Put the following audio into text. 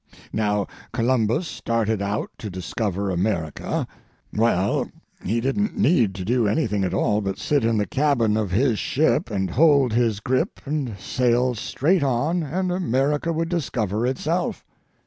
Now, Columbus started out to discover America. Well, he didn't need to do anything at all but sit in the cabin of his ship and hold his grip and sail straight on, and America would discover itself.